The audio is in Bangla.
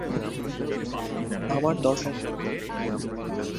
আমার দরকার নেই।